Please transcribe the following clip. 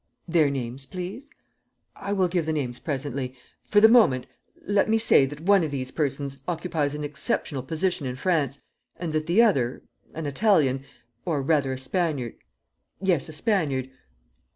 "Their names, please." "I will give the names presently. For the moment, let me say that one of these persons occupies an exceptional position in France, and that the other, an Italian, or rather a Spaniard ... yes, a Spaniard